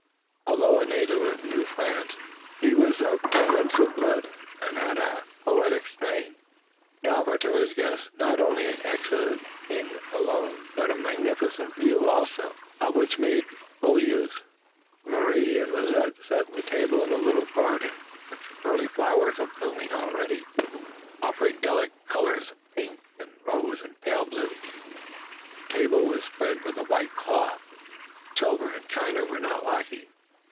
Although a native of New France he was of Provençal blood, and he had a poetic strain. He offered to his guests not an excellent inn alone, but a magnificent view also, of which he made full use. The evening being warm with a soft and soothing wind, Marie and Lizette set the table in a little garden, in which early flowers were blooming already, offering delicate colors of pink and rose and pale blue. The table was spread with a white cloth, and silver and china were not lacking.